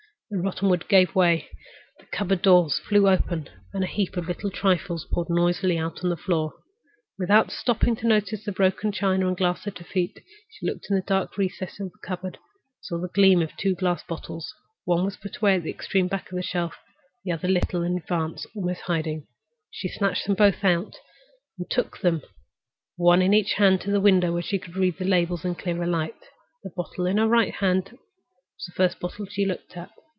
The rotten wood gave way, the cupboard doors flew open, and a heap of little trifles poured out noisily on the floor. Without stopping to notice the broken china and glass at her feet, she looked into the dark recesses of the cupboard and saw the gleam of two glass bottles. One was put away at the extreme back of the shelf, the other was a little in advance, almost hiding it. She snatched them both out at once, and took them, one in each hand, to the window, where she could read their labels in the clearer light. The bottle in her right hand was the first bottle she looked at.